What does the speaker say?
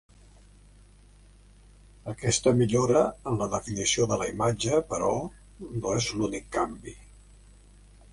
Aquesta millora en la definició de la imatge, però, no és l'únic canvi.